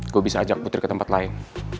gue bisa ajak putri ke tempat lain